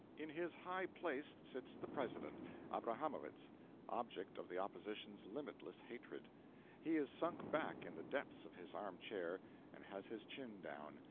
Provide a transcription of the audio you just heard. In his high place sits the President, Abrahamowicz, object of the Opposition's limitless hatred. He is sunk back in the depths of his arm chair, and has his chin down.